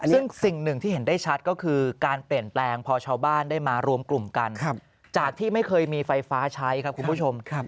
ซึ่งสิ่งหนึ่งที่เห็นได้ชัดก็คือการเปลี่ยนแปลงพอชาวบ้านได้มารวมกลุ่มกันจากที่ไม่เคยมีไฟฟ้าใช้ครับคุณผู้ชม